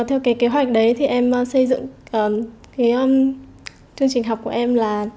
theo kế hoạch đấy em xây dựng chương trình học của em